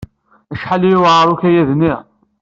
Acḥal i yewɛeṛ ukayad-nni?